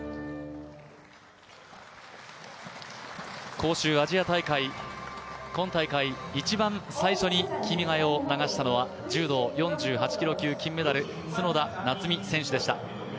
杭州アジア大会、今大会一番最初に「君が代」を流したのは柔道４８キロ級金メダル、角田夏実選手でした。